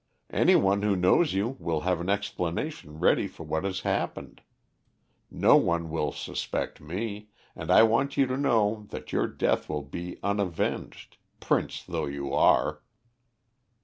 Any one who knows you will have an explanation ready for what has happened. No one will suspect me, and I want you to know that your death will be unavenged, prince though you are."